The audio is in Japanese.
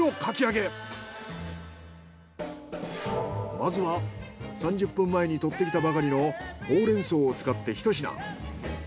まずは３０分前に採ってきたばかりのホウレンソウを使ってひと品。